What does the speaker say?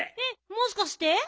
えっもしかして？